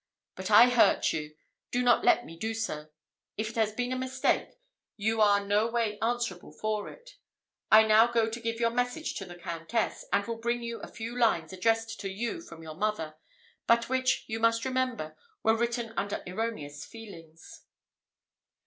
But I hurt you; do not let me do so. If it has been a mistake, you are no way answerable for it. I now go to give your message to the Countess, and will bring you a few lines addressed to you from your mother, but which, you must remember, were written under erroneous feelings."